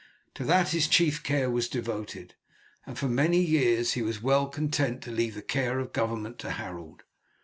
To that his chief care was devoted, and for many years he was well content to leave the care of government to Harold.